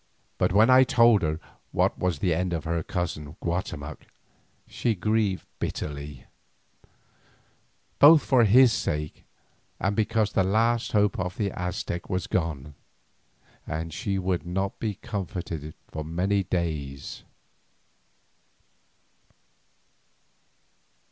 But when I told her what was the end of her cousin Guatemoc she grieved bitterly, both for his sake and because the last hope of the Aztec was gone, and she would not be comforted for many days.